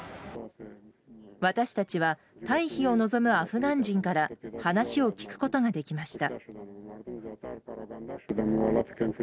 私たちは退避を望むアフガン人から話を聞くことができました。